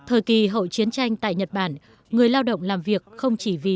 thời kỳ hậu chiến tranh tại nhật bản người lao động làm việc không chỉ vì làm việc